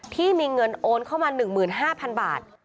ที่มีเงินโอนเข้ามา๑๕๐๐๐บาท